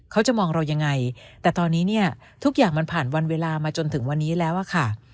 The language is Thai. เขาจะมองเรายังไงแต่ตอนนี้เนี่ยทุกอย่างมันผ่านวันเวลามาจนถึงวันนี้แล้วอะค่ะ